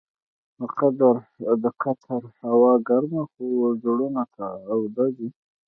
د قطر هوا ګرمه خو زړونه تاوده دي.